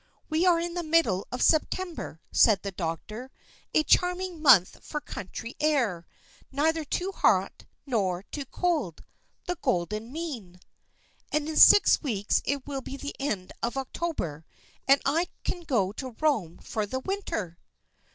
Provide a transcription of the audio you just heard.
"We are in the middle of September," said the doctor, "a charming month for country air neither too hot nor too cold the golden mean." "And in six weeks it will be the end of October, and I can go to Rome for the winter!"